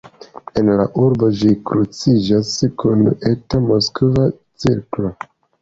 En la urbo ĝi kruciĝas kun Eta Moskva cirklo.